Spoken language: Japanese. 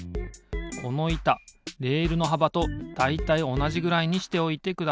このいたレールのはばとだいたいおなじぐらいにしておいてください。